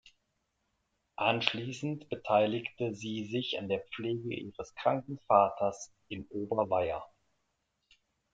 Anschließend beteiligte sie sich an der Pflege ihres kranken Vaters in Oberweier.